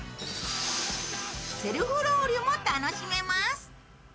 セルフロウリュも楽しめます。